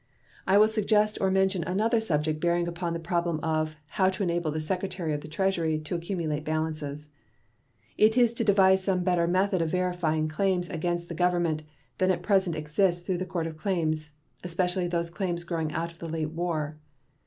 I will suggest or mention another subject bearing upon the problem of "how to enable the Secretary of the Treasury to accumulate balances." It is to devise some better method of verifying claims against the Government than at present exists through the Court of Claims, especially those claims growing out of the late war.